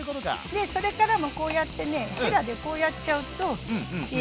でそれからもこうやってねへらでこうやっちゃうといい感じよ。